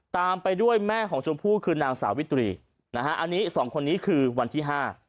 ตามไปด้วยแม่ของชมพู่คือนางสาวิตรีนะฮะอันนี้สองคนนี้คือวันที่ห้า